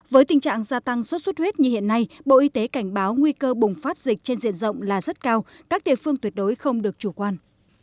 với tình trạng gia tăng xuất xuất huyết như hiện nay bộ y tế cảnh báo nguy cơ bùng phát dịch trên diện rộng là rất cao các địa phương tuyệt đối không được chủ quan